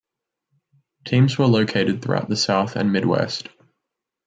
Teams were located throughout the South and Midwest.